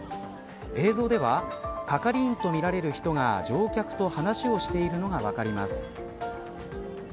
映像では係員と見られる人が乗客と話をしているのが分かります。